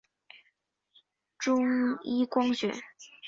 中一光学。